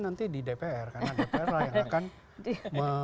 nanti di dpr karena dpr lah yang akan